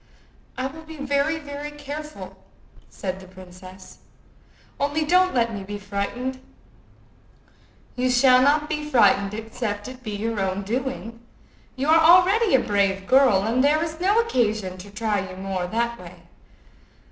"I will be very, very careful," said the princess. "Only don't let me be frightened." "You shall not be frightened, except it be your own doing. You are already a brave girl, and there is no occasion to try you more that way.